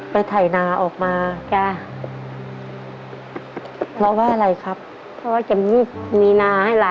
ไปถ่ายนาเอาออกมา